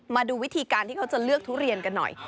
มาดูวิธีการที่เขาจะเลือกทุเรียนกันหน่อย